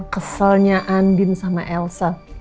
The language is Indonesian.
keselnya andin sama elsa